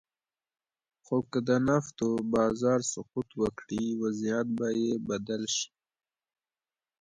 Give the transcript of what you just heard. خو که د نفتو بازار سقوط وکړي، وضعیت به یې بدل شي.